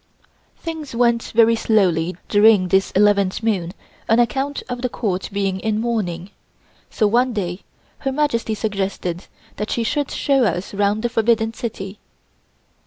Things went very slowly during this eleventh moon on account of the Court being in mourning, so one day Her Majesty suggested that she should show us round the Forbidden City.